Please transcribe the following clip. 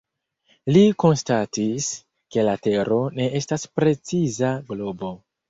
Li konstatis, ke la Tero ne estas preciza globo.